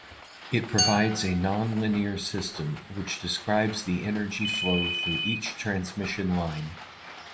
It provides a nonlinear system which describes the energy flow through each transmission line.